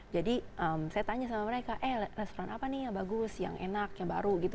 jadi saya tanya sama mereka eh restoran apa nih yang bagus yang enak yang baru gitu